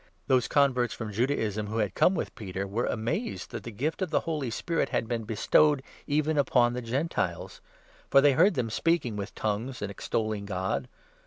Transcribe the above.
Those converts from Judaism, 45 who had come with Peter, were amazed that the gift of the Holy Spirit had been bestowed even upon the Gentiles ; for 46 they heard them speaking with ' tongues ' and extolling God.